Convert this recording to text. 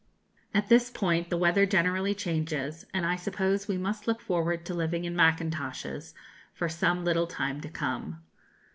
At this point the weather generally changes, and I suppose we must look forward to living in mackintoshes for some little time to come.